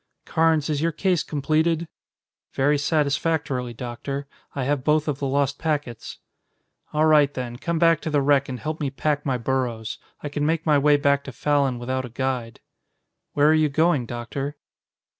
Carnes, is your case completed?" "Very satisfactorily, Doctor. I have both of the lost packets." "All right, then, come back to the wreck and help me pack my burros. I can make my way back to Fallon without a guide." "Where are you going, Doctor?"